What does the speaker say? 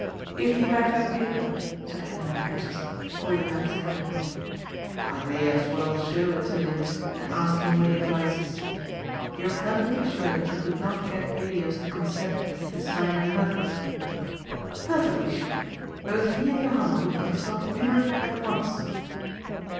"Give me back that paper," said Hendrik anxiously, holding out his hand. " I may as well show it to Linx, and ask him what he advises. You are perfectly sure that you could not get Elias to consent to signing another ?"" Perfectly sure. Both he and Johanna would consult Hubert at once."